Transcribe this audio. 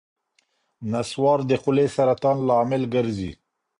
نصوار د خولې سرطان لامل ګرځي.